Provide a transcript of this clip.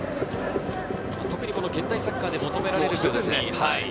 特に現代サッカーで求められる。